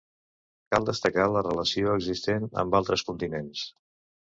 Cal destacar la relació existent amb altres continents.